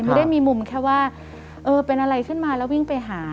ไม่ได้มีมุมแค่ว่าเออเป็นอะไรขึ้นมาแล้ววิ่งไปหา